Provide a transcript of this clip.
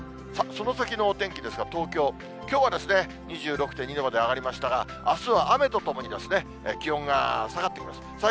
その先のお天気ですが、東京、きょうはですね、２６．２度まで上がりましたが、あすは雨とともに気温が下がってきます。